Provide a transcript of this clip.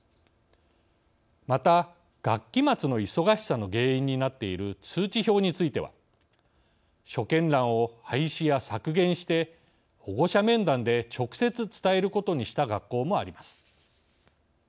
また、学期末の忙しさの原因になっている通知表については所見欄を廃止や削減して保護者面談で直接伝えることにした学校もあります。